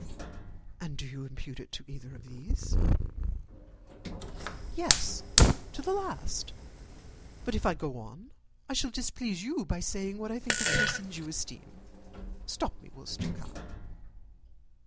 "And do you impute it to either of those?" "Yes; to the last. But if I go on I shall displease you by saying what I think of persons you esteem. Stop me, whilst you can."